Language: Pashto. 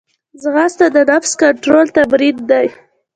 ځغاسته د نفس کنټرول تمرین دی